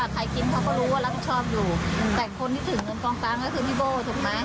กินเขาก็รู้ว่ารับผิดชอบอยู่แต่คนที่ถือเงินกองกลางก็คือพี่โบ้ถูกไหม